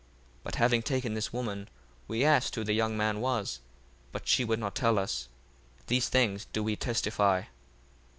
1:40 But having taken this woman, we asked who the young man was, but she would not tell us: these things do we testify.